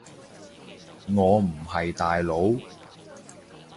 我唔係大佬